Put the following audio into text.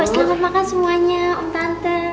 selamat makan semuanya om tante